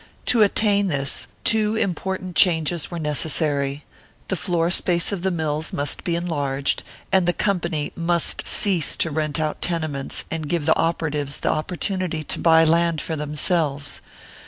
To attain this, two important changes were necessary: the floor space of the mills must be enlarged, and the company must cease to rent out tenements, and give the operatives the opportunity to buy land for themselves.